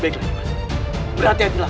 baiklah nimas berhati hati lah